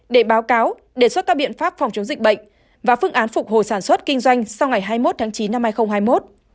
để báo cáo đề xuất các biện pháp phòng chống dịch bệnh và phương án phục hồi sản xuất kinh doanh sau ngày hai mươi một tháng chín năm hai nghìn hai mươi một